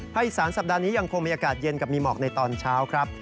อีสานสัปดาห์นี้ยังคงมีอากาศเย็นกับมีหมอกในตอนเช้าครับ